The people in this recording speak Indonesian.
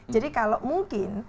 jadi kalau mungkin